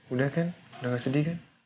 udah kan udah gak sedih kan